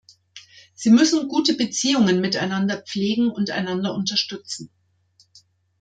Sie müssen gute Beziehungen miteinander pflegen und einander unterstützen.